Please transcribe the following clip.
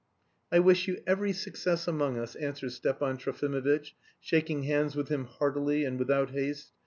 "I wish you every success among us," answered Stepan Trofimovitch, shaking hands with him heartily and without haste.